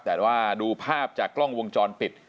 แต่ว่าดูภาพจากกล้องวงจรปิด